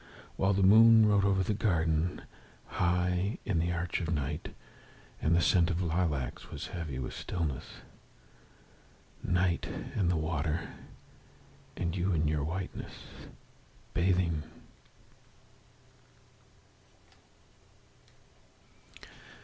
While the moon rode over the garden, High in the arch of night, And the scent of the lilacs was heavy with stillness. Night, and the water, and you in your whiteness, bathing!